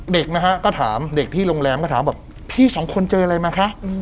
เด็กที่โรงแรมก็ถามพี่สองคนเจออะไรมาคะ